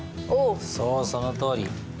そうそのとおり。